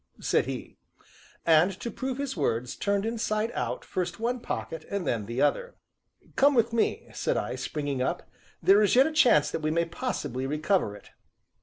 said he, and, to prove his words, turned inside out first one pocket and then the other. "Come with me," said I, springing up, "there is yet a chance that we may possibly recover it."